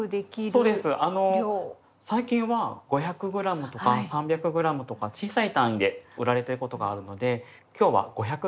そうですあの最近は５００ｇとか３００ｇとか小さい単位で売られてることがあるのできょうは５００ｇで。